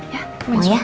ya mau main sopin ya